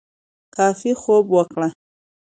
کافي خوب وکړه